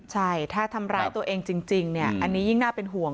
ใช่ถ้าทำร้ายตัวเองจริงอันนี้ยิ่งน่าเป็นห่วง